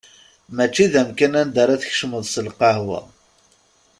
Mačči d amkan anda ara tkecmeḍ s lqahwa.